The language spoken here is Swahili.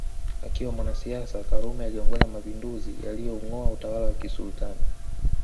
Akiwa mwanasiasa karume aliongoza mapinduzi yalioungoa utawala wa kisultan